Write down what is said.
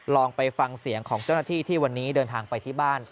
ลองไปฟังเสียงของเจ้าหน้าที่ที่วันนี้เดินทางไปที่บ้าน